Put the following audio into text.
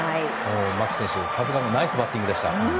牧選手、さすがのナイスバッティングでした。